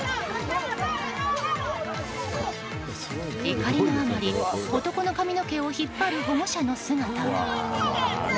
怒りのあまり、男の髪の毛を引っ張る保護者の姿も。